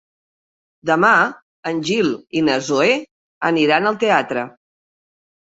Demà en Gil i na Zoè aniran al teatre.